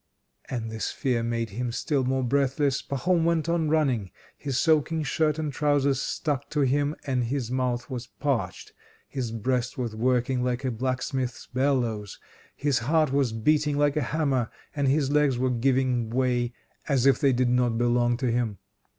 And this fear made him still more breathless. Pahom went on running, his soaking shirt and trousers stuck to him, and his mouth was parched. His breast was working like a blacksmith's bellows, his heart was beating like a hammer, and his legs were giving way as if they did not belong to him.